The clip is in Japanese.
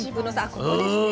ここですね。